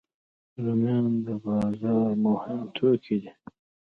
رومیان د بازار مهم توکي دي